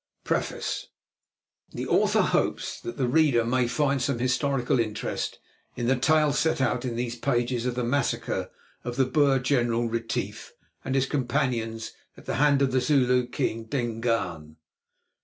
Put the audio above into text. PREFACE The Author hopes that the reader may find some historical interest in the tale set out in these pages of the massacre of the Boer general, Retief, and his companions at the hands of the Zulu king, Dingaan.